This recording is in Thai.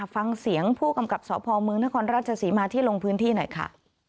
ฟังเสียงผู้กำกับสพเมืองนครราชศรีมาที่ลงพื้นที่หน่อยค่ะ